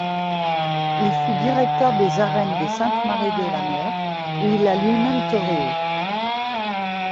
Il fut directeur des Arènes des Saintes-Maries-de-la-Mer, où il a lui-même toréé.